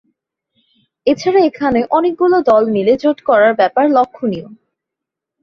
এছাড়া এখানে অনেকগুলো দল মিলে জোট করার ব্যাপার লক্ষ্যণীয়।